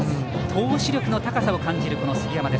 投手力の高さを感じる杉山。